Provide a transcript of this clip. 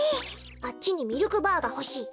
あっちにミルクバーがほしい。